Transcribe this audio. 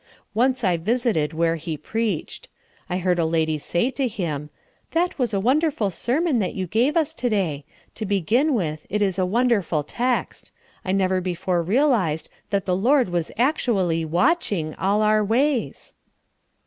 Once I visited where he preached. I heard a lady say to him, "That was a wonderful sermon that you gave us to day. To begin with, it is a wonderful text. I never before realized that the Lord was actually watching all our ways."